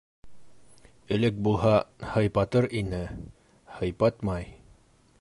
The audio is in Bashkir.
Элек булһа, һыйпатыр ине, һыйпатмай.